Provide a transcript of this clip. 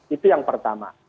itu yang pertama